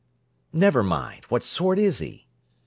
"Never mind! What sort is he?"